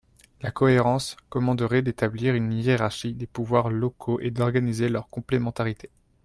La cohérence commanderait d’établir une hiérarchie des pouvoirs locaux et d’organiser leur complémentarité.